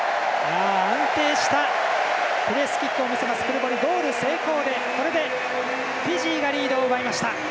安定したプレースキックを見せますクルボリ、ゴール成功でこれで、フィジーがリードを奪いました。